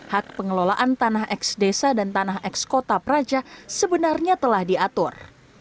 hak pengelolaan tanah eks desa dan tanah eks kota praja sebenarnya telah diatur